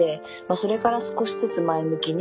それから少しずつ前向きに。